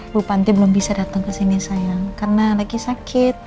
bu panti belum bisa datang ke sini sayang karena lagi sakit